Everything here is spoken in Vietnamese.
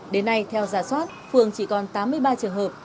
đến nay theo giả soát phường chỉ còn tám mươi ba trường hợp